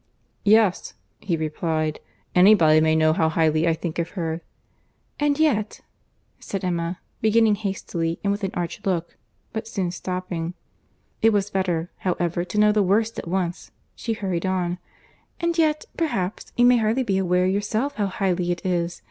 "Yes," he replied, "any body may know how highly I think of her." "And yet," said Emma, beginning hastily and with an arch look, but soon stopping—it was better, however, to know the worst at once—she hurried on—"And yet, perhaps, you may hardly be aware yourself how highly it is.